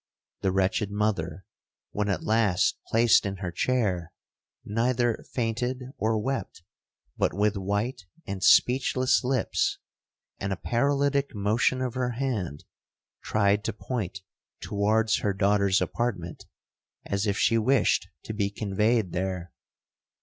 The wretched mother, when at last placed in her chair, neither fainted or wept; but with white and speechless lips, and a paralytic motion of her hand, tried to point towards her daughter's apartment, as if she wished to be conveyed there.